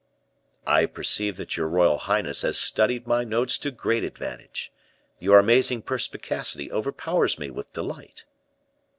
"I perceive that your royal highness has studied my notes to great advantage; your amazing perspicacity overpowers me with delight."